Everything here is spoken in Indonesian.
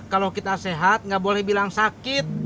kalau kita sehat nggak boleh bilang sakit